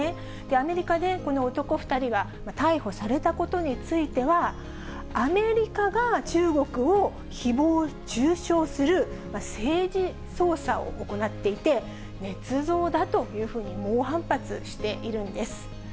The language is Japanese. アメリカでこの男２人が逮捕されたことについては、アメリカが中国をひぼう中傷する政治操作を行っていて、ねつ造だというふうに、猛反発しているんです。